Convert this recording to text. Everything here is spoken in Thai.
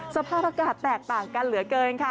สภาพอากาศแตกต่างกันเหลือเกินค่ะ